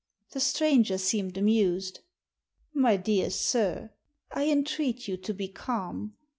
The stranger seemed amused. "My dear sir! I entreat you to be calm.